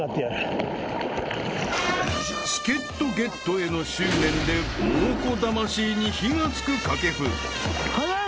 ［チケットゲットへの執念で猛虎魂に火が付く掛布］